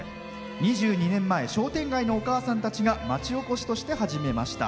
２２年前商店街のおかあさんたちが町おこしとして始めました。